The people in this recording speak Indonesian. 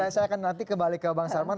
jadi saya akan nanti kembali ke bang salman